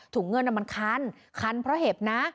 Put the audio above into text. เงินมันคันคันเพราะเห็บนะ